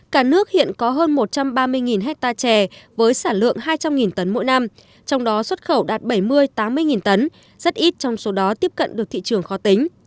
cả nước hiện có hơn một trăm ba mươi hectare chè với sản lượng hai trăm linh tấn mỗi năm trong đó xuất khẩu đạt bảy mươi tám mươi tấn rất ít trong số đó tiếp cận được thị trường khó tính